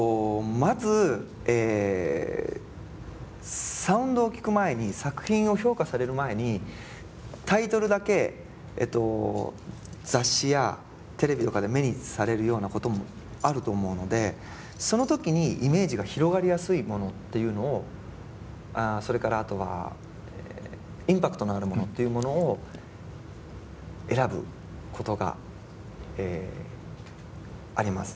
まずサウンドを聴く前に作品を評価される前にタイトルだけ雑誌やテレビとかで目にされるようなこともあると思うのでその時にイメージが広がりやすいものっていうのをああそれからあとはインパクトのあるものっていうものを選ぶことがあります。